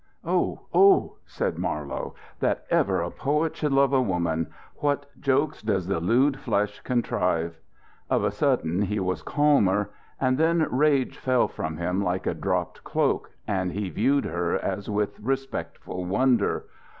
"Oh, oh!" said Marlowe, "that ever a poet should love a woman! What jokes does the lewd flesh contrive!" Of a sudden he was calmer: and then rage fell from him like a dropped cloak and he viewed her as with respectful wonder.